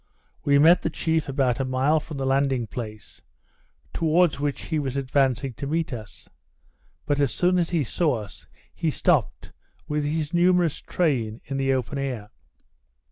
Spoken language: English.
We met the chief about a mile from the landing place, towards which he was advancing to meet us; but, as soon as he saw us, he stopt, with his numerous train, in the open air.